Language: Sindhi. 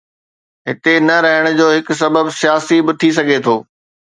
هتي نه رهڻ جو هڪ سبب سياسي به ٿي سگهي ٿو.